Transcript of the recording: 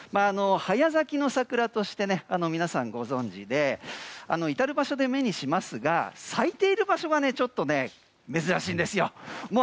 早咲きの桜として皆さんご存じで至る場所で目にしますが咲いている場所がちょっと珍しいんですよ。